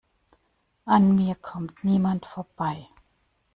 An mir kommt niemand vorbei!